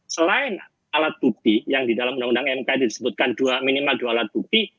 selain alat bukti yang di dalam undang undang mk itu disebutkan minimal dua alat bukti